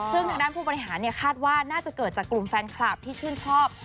ซึ่งทางด้านผู้บริหารคาดว่าน่าจะเกิดจากกลุ่มแฟนคลับที่ชื่นชอบ